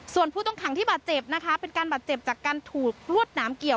ส่วนผู้ต้องขังที่บาดเจ็บนะคะเป็นการบาดเจ็บจากการถูกรวดหนามเกี่ยว